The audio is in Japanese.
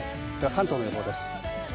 関東の予報です。